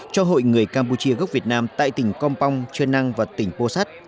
cho hội người campuchia gốc việt nam tại tỉnh công pong chuyên năng và tỉnh pô sát